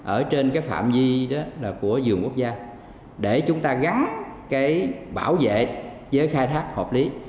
ở trên phạm di của vườn quốc gia để chúng ta gắn bảo vệ với khai thác hợp lý